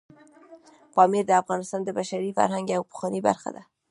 پامیر د افغانستان د بشري فرهنګ یوه پخوانۍ برخه ده.